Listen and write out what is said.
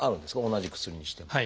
同じ薬にしても。